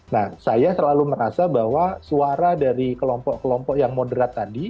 nah saya selalu merasa bahwa suara dari kelompok kelompok yang moderat tadi